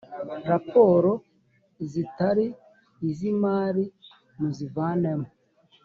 raporo zitari iz imari muzivanemo.